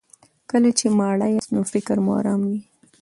کله چې مړه یاست نو فکر مو ارام وي.